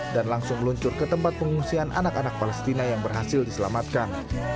dan langsung meluncur ke tempat pengungsian anak anak palestina yang berhasil diselamatkan